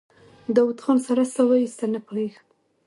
داوود خان سړه سا وايسته: نه پوهېږم.